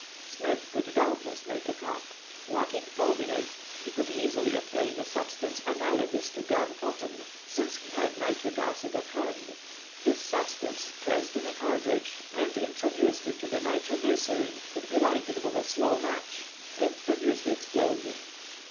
Smith could doubtless make a cap. Lacking fulminate, he could easily obtain a substance analogous to gun cotton, since he had nitric acid at hand. This substance pressed in a cartridge, and introduced into the nitro glycerine, could be lighted with a slow match, and produce the explosion.